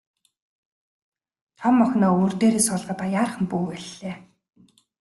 Том охиноо өвөр дээрээ суулгаад аяархан бүүвэйллээ.